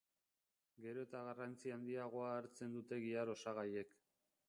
Gero eta garrantzi handiagoa hartzen dute gihar osagaiek.